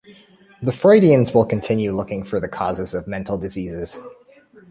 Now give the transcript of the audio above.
The Freudians will continue looking for the causes of mental diseases.